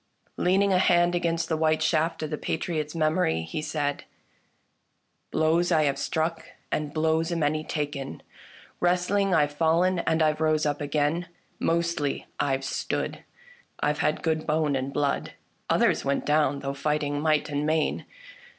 Leaning a hand against the white shaft of the Pa triots' memory, he said :" Blows I have struck, and blows a many taken, Wrestling I've fallen, and I've rose up again ; Mostly I've stood — I've had good bone and blood ; Others went down though fighting might and main.